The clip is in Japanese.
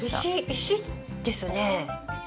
石石ですね。